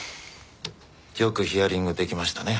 よくヒアリング出来ましたね。